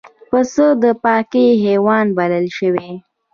پسه د پاکۍ حیوان بلل شوی.